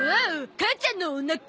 母ちゃんのおなか！